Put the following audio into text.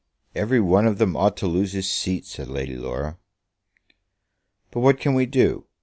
"Every one of them ought to lose his seat," said Lady Laura. "But what can we do?